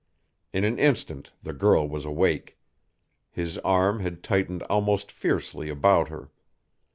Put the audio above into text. In an instant the girl was awake. His arm had tightened almost fiercely about her.